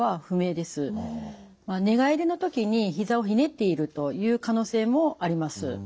寝返りの時にひざをひねっているという可能性もあります。